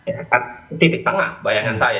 ya kan titik tengah bayangan saya